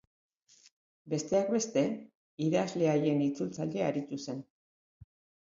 Besteak beste, idazle haien itzultzaile aritu zen.